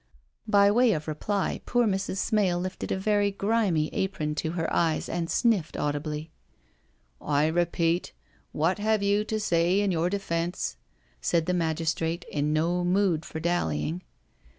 By way of reply poor Mrs. Smale lifted a very grimy apron to her eyes and sniffed audibly. " I repeat, what have you to say in your defence?" said the magistrate in no mood for dallying.